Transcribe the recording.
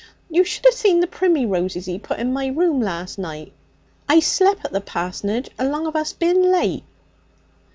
You should 'a seen the primmyroses he put in my room last night; I slep' at the parsonage along of us being late.'